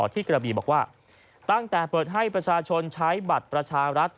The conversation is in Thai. ที่กระบีบอกว่าตั้งแต่เปิดให้ประชาชนใช้บัตรประชารัฐ